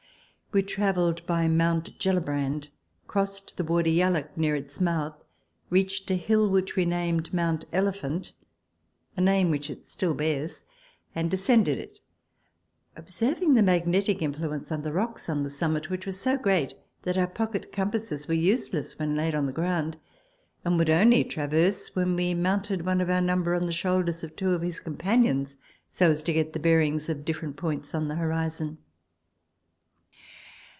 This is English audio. We travelled by Mount Gellibrand, crossed the Wardy Yalloak near its mouth, reached a hill which we named Mount Elephant (a name which it still bears), and ascended it, observing the magnetic influence of the rocks on the summit, which was so great that our pocket compasses were useless when laid on the ground and would only traverse when we mounted one of our number on the shoulders of two of his companions so as to get the bearings of different points on the horizon.